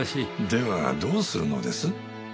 ではどうするのです？